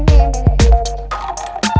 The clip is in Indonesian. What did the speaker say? kau mau kemana